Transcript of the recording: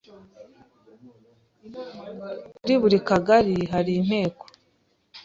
Kuri buri Kagari harinteko